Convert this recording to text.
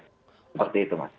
seperti itu mas